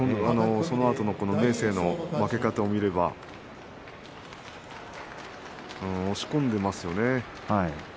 そのあとの明生の負け方を見れば押し込んでいますよね。